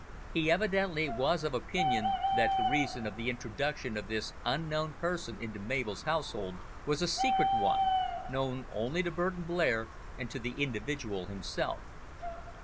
He evidently was of opinion that the reason of the introduction of this unknown person into Mabel's household was a secret one, known only to Burton Blair and to the individual himself.